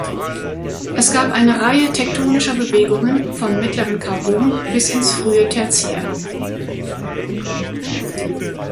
Es gab eine Reihe tektonischer Bewegungen vom mittleren Karbon bis ins frühe Tertiär.